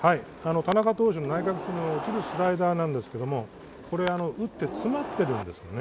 田中投手の内角に落ちるスライダーですがこれ、打って詰まっているんです。